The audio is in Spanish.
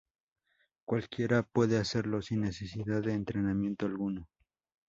Cualquiera puede hacerlo sin necesidad de entrenamiento alguno.